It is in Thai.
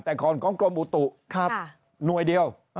แต่ของกรมบุตุหน่วยเดียว